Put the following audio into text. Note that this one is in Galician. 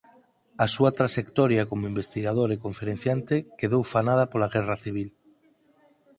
A súa traxectoria como investigador e conferenciante quedou fanada pola guerra civil.